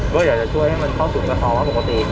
ก็อยากจะช่วยให้เขาสุดกับของปกติ